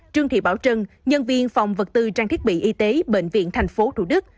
trương thị bảo trân nhân viên phòng vật tư trang thiết bị y tế bệnh viện tp thủ đức